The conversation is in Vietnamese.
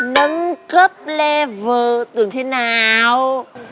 nâng cấp level tưởng thế nào